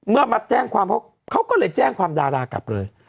มาแจ้งความเขาก็เลยแจ้งความดารากลับเลย